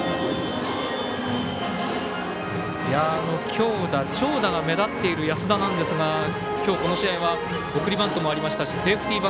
強打、長打が目立っている安田なんですが今日、この試合は送りバントもありましたしセーフティー